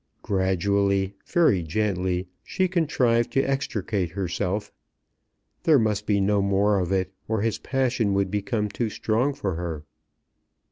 Gradually, very gently, she contrived to extricate herself. There must be no more of it, or his passion would become too strong for her.